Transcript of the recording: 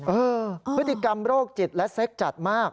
พฤติกรรมโรคจิตและเซ็กจัดมาก